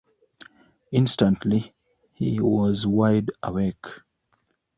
Instantly he was wide awake.